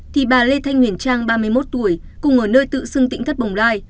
thì bà lê thanh huyền trang ba mươi một tuổi cùng ở nơi tự xưng tỉnh thất bồng lai